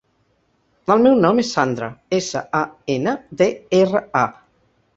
El meu nom és Sandra: essa, a, ena, de, erra, a.